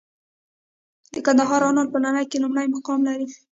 د کندهار انار په نړۍ کې لومړی مقام لري.